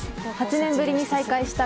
８年ぶりに再会した